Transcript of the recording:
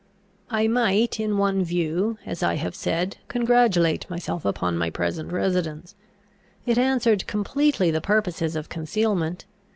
I might in one view, as I have said, congratulate myself upon my present residence; it answered completely the purposes of concealment.